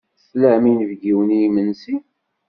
Tlam inebgiwen i yimensi?